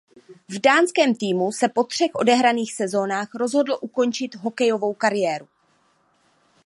V dánském týmu se po třech odehraných sezónách rozhodl ukončit hokejovou kariéru.